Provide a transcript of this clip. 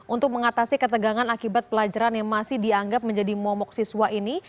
untuk mengatasi ketegangan akibat pelajaran yang masih dianggap menjadi momok siswa ini